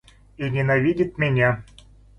И ненавидит меня.